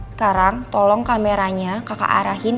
sekarang tolong kameranya kakak arahin